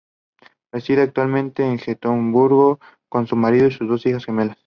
Reside actualmente en Gotemburgo con su marido y sus dos hijas gemelas.